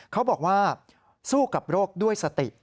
เขาบอกว่าสู้กับโรคด้วยสติ